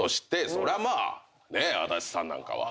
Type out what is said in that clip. そりゃまあ足立さんなんかは。